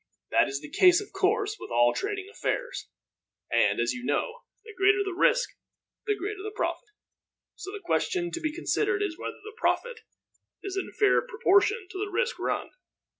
That is the case, of course, with all trading affairs; and, as you know, the greater the risk the greater the profit, so the question to be considered is whether the profit is in fair proportion to the risk run.